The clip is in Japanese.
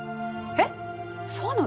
えっそうなの？